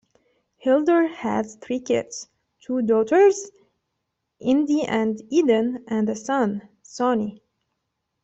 Hilder has three kids, two daughters, Indy and Eden and a son, Sony.